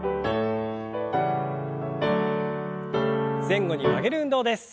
前後に曲げる運動です。